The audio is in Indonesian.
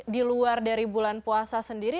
di luar dari bulan puasa sendiri